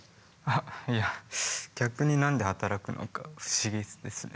いや逆に何で働くのか不思議ですね。